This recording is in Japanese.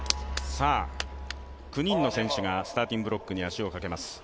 ９人の選手がスターティングブロックに足をかけます。